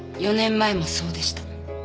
４年前もそうでした。